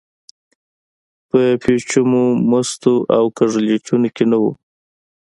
په پېچومو، مستو او کږلېچونو کې نه و.